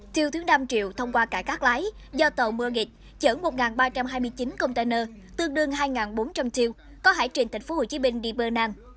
tiêu thứ năm triệu thông qua cảng cát lái do tàu murgit chở một ba trăm hai mươi chín container tương đương hai bốn trăm linh tiêu có hải trình thành phố hồ chí minh đi bờ nang